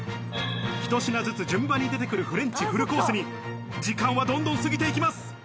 ひと品ずつ順番に出てくるフレンチフルコースに時間はどんどん過ぎていきます。